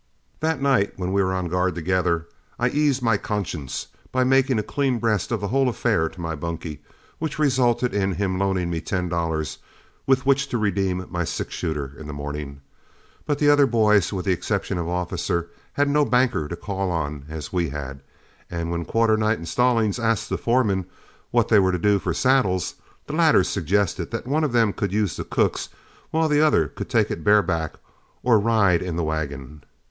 That night when we were on guard together, I eased my conscience by making a clean breast of the whole affair to my bunkie, which resulted in his loaning me ten dollars with which to redeem, my six shooter in the morning. But the other boys, with the exception of Officer, had no banker to call on as we had, and when Quarternight and Stallings asked the foreman what they were to do for saddles, the latter suggested that one of them could use the cook's, while the other could take it bareback or ride in the wagon.